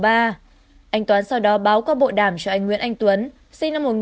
anh tuấn sau đó báo qua bộ đàm cho anh nguyễn anh tuấn sinh năm một nghìn chín trăm tám mươi